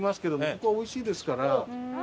そこはおいしいですから。